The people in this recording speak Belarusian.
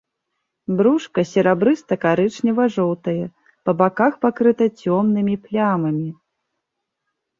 Брушка серабрыста-карычнева-жоўтае, па баках пакрыта цёмнымі плямамі.